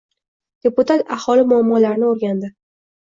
Deputat aholi muammolarini o‘rgandi